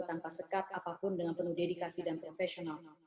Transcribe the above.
tanpa sekat apapun dengan penuh dedikasi dan profesional